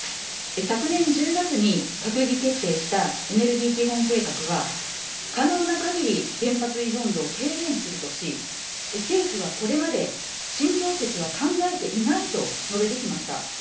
昨年１０月に閣議決定したエネルギー基本計画は、可能なかぎり原発依存度を提言するとし、政府はこれまで新増設は考えていないと述べてきました。